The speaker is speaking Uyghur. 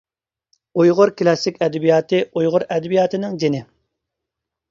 ئۇيغۇر كىلاسسىك ئەدەبىياتى ئۇيغۇر ئەدەبىياتىنىڭ جېنى.